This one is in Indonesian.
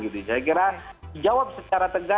saya kira dijawab secara tegas